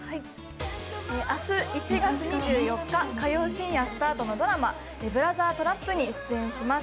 明日１月２４日火曜深夜スタートのドラマ「ブラザー・トラップ」に出演します。